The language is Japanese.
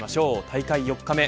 大会４日目。